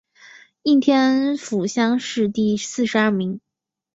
应天府乡试第四十二名。